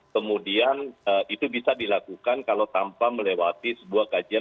kemudian itu bisa dilakukan kalau tanpa melewati sebuah kajian